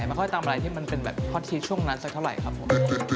ไม่ค่อยตามอะไรที่มันเป็นแบบฮอตซีสช่วงนั้นสักเท่าไหร่ครับผม